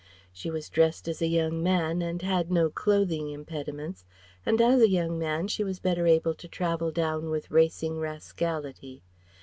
She was dressed as a young man and had no clothing impediments, and as a young man she was better able to travel down with racing rascality.